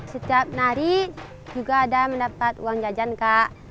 setiap nari juga ada mendapat uang jajan kak